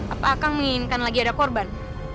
apa akan menginginkan lagi ada korban